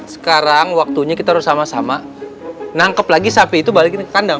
sekarang waktunya kita harus sama sama nangkep lagi sapi itu balikin ke kandang